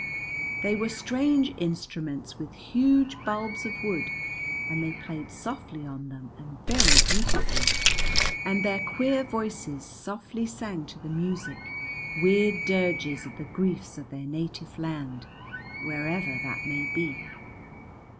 They were strange instruments with huge bulbs of wood, and they played softly on them and very beautifully, and their queer voices softly sang to the music weird dirges of the griefs of their native land wherever that may be.